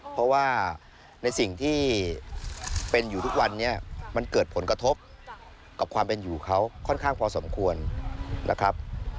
เพราะว่าในสิ่งที่เป็นอยู่ทุกวันนี้มันเกิดผลกระทบกับความเป็นอยู่เขาค่อนข้างพอสมควรนะครับ